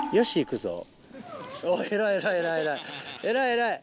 偉い偉い。